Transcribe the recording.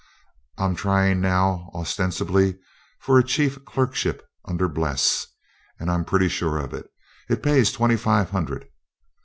I'm trying now ostensibly for a chief clerkship under Bles, and I'm pretty sure of it: it pays twenty five hundred.